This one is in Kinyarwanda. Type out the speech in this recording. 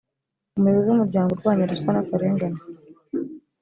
umuyobozi wumuryango urwanya ruswa nakarengane